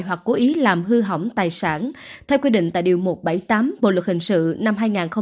hoặc cố ý làm hư hỏng tài sản theo quy định tại điều một trăm bảy mươi tám bộ luật hình sự năm hai nghìn một mươi năm